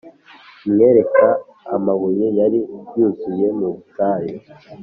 Amwereka amabuye yari yuzuye mu butayu